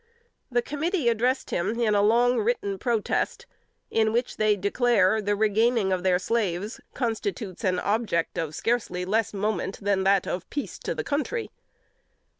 The committee addressed him in a long, written protest, in which they declare, "the regaining of their slaves constitutes an object of scarcely less moment than that of peace to the country."